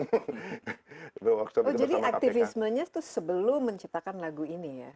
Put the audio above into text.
jadi activism nya itu sebelum menciptakan lagu ini ya